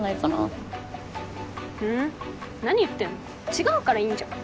違うからいいんじゃん。